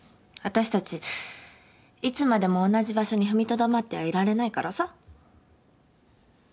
私たちいつまでも同じ場所に踏みとどまってはいられないからさ。